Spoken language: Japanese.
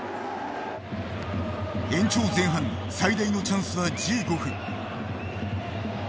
延長前半最大のチャンスは１５分。